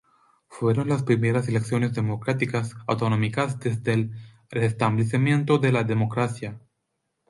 Fueron las primeras elecciones democráticas autonómicas desde el restablecimiento de la democracia.